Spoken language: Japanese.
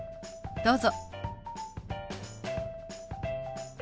どうぞ。